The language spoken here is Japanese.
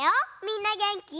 みんなげんき？